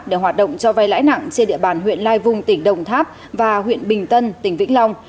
để hoạt động cho vay lãi nặng trên địa bàn huyện lai vung tỉnh đồng tháp và huyện bình tân tỉnh vĩnh long